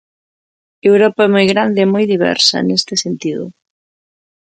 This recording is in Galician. Europa é moi grande e moi diversa, neste sentido.